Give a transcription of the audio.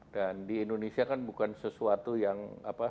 dan di indonesia kan bukan sesuatu yang